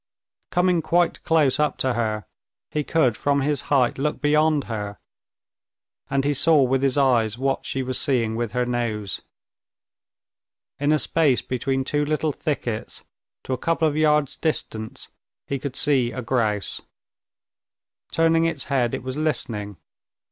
Coming quite close up to her, he could from his height look beyond her, and he saw with his eyes what she was seeing with her nose. In a space between two little thickets, at a couple of yards' distance, he could see a grouse. Turning its head, it was listening.